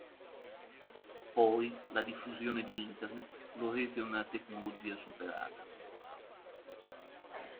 Poi la diffusione di Internet lo rese una tecnologia superata.